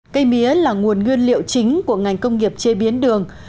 cây mía là nguồn nguyên liệu chính của ngành công nghiệp chế biến đường